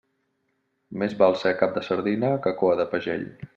Més val ser cap de sardina que coa de pagell.